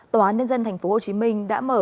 tòa án nhân dân tp hcm đã mở